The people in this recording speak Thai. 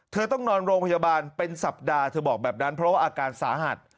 เธอต้องนอนโรงพยาบาลเป็นสัปดาห์เธอบอกแบบนั้นเพราะว่าอาการสาหัส